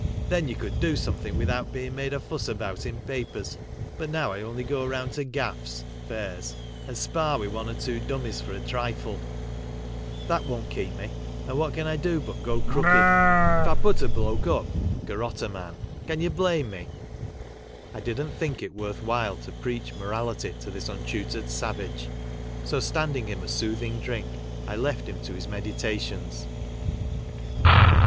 Then you could do something without being made a fuss about in papers, but now I only go round to gaffs (fairs) and sparr with one or two dummies for a trifle. That won't keep me, and what can I do but go crooked ? If I put a bloke up CjUMTNAL MANCHESTER — DEAN30ATE '. WOMKN ANT) THEIR MAMT.K 1 (garotte a man) can you blame me ?" I didn't think it worth while to preach morality to this untutored savage, so, standing him a soothing drink, I left him to his meditations.